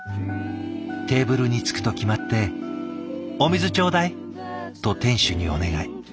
テーブルにつくと決まって「お水頂戴！」と店主にお願い。